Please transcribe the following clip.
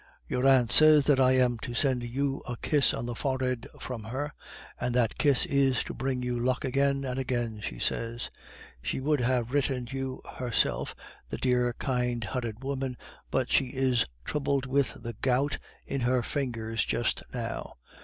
Your aunt says that I am to send you a kiss on the forehead from her, and that kiss is to bring you luck again and again, she says. She would have written you herself, the dear kind hearted woman, but she is troubled with the gout in her fingers just now.